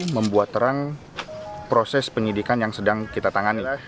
membuat terang proses penyidikan yang sedang kita tangani